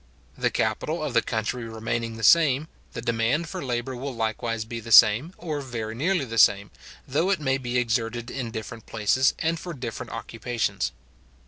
The capital of the country remaining the same, the demand for labour will likewise be the same, or very nearly the same, though it may be exerted in different places, and for different occupations.